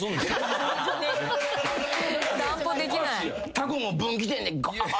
タコも分岐点でがーっ。